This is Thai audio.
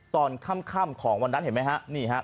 ตอนค่ำของวันนั้นเห็นไหมครับ